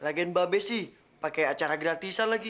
lagi mbak be sih pakai acara gratisan lagi